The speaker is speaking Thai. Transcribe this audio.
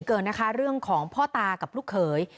เกินนะคะเรื่องของพ่อตากับลูกเขย